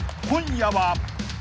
今夜は］